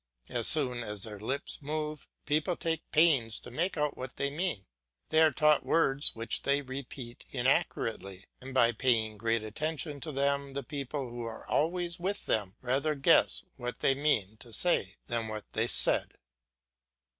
As soon as their lips move people take pains to make out what they mean; they are taught words which they repeat inaccurately, and by paying great attention to them the people who are always with them rather guess what they meant to say than what they said.